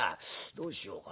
どうしようかな。